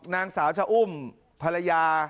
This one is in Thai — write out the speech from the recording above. นางสาวชะอุ้มภรรยา